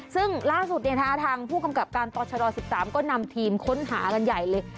ซึ่งล่าสุดทางผู้กำกับการต่อชด๑๓ก็นำทีมค้นหากันใหญ่เลย